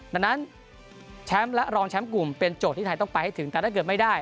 ดังนั้นแชมป์และรองแชมป์กลุ่มเป็นโจทย์ที่ไทยต้องไปให้ถึงแต่ถ้าเกิดไม่ได้